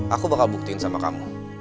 aku bakal buktiin sama kamu